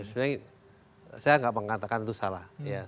saya gak mengatakan itu salah